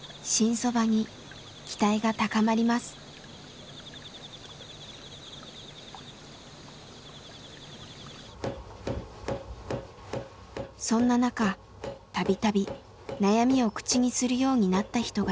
そんな中度々悩みを口にするようになった人がいました。